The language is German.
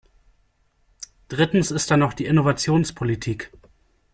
Drittens ist da noch die Innovationspolitik.